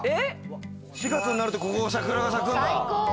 ４月になると、ここ桜が咲くんだ。